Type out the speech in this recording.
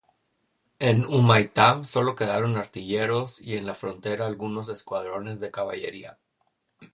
En Humaitá solo quedaron artilleros y en la frontera algunos escuadrones de caballería.